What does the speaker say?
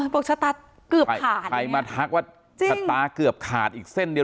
ชะตาเกือบขาดใครมาทักว่าชะตาเกือบขาดอีกเส้นเดียว